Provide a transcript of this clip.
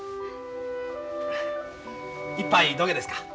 一杯どげですか。